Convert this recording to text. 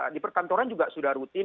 di perkantoran juga sudah rutin